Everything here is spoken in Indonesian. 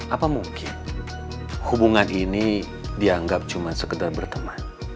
apa mungkin hubungan ini dianggap cuma sekedar berteman